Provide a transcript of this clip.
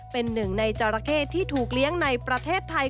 เป็นหนึ่งในจราเข้ที่ถูกเลี้ยงในประเทศไทย